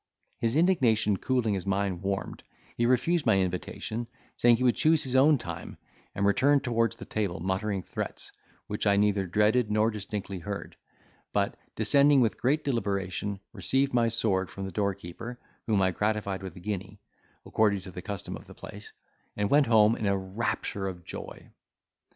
His indignation cooling as mine warmed, he refused my invitation, saying he would choose his own time, and returned towards the table muttering threats, which I neither dreaded nor distinctly heard; but, descending with great deliberation, received my sword from the door keeper, whom I gratified with a guinea, according to the custom of the place, and went home in a rapture of joy.